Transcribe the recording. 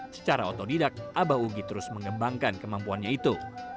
secara otodidak abah ugi terus mengembangkan kemampuannya itu